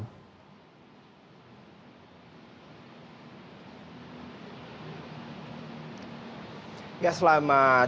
sofian basir pemeriksaan pemeriksaan pemeriksaan pemeriksaan